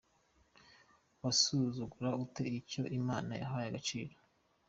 Wasuzugura ute icyo Imana yahaye agaciro?.